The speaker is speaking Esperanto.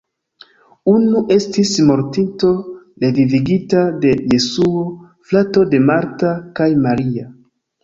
Unu estis mortinto revivigita de Jesuo, frato de Marta kaj Maria.